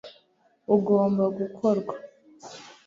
ugomba gukorwa